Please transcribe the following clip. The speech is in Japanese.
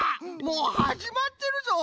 もうはじまってるぞ！